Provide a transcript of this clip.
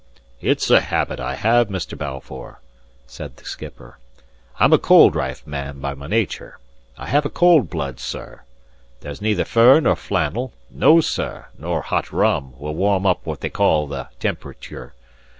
"It's a habit I have, Mr. Balfour," said the skipper. "I'm a cold rife man by my nature; I have a cold blood, sir. There's neither fur, nor flannel no, sir, nor hot rum, will warm up what they call the temperature.